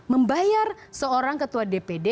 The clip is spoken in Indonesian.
membayar seorang ketua dpd